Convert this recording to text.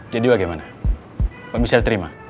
jadi bagaimana mbak michelle terima